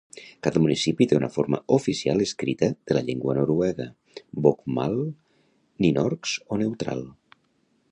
Cada municipi té una forma oficial escrita de la llengua noruega: bokmål, nynorsk o neutral.